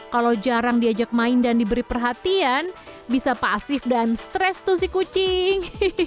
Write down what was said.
kalau jarang diajak main dan diberi perhatian bisa pasif dan stres tuh si kucing